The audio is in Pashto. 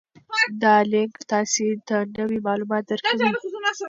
دا لینک تاسي ته نوي معلومات درکوي.